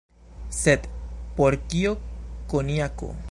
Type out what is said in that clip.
Sed por kio konjako?